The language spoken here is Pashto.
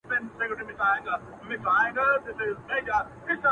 د خوار د ژوند كيسه ماتـه كړه.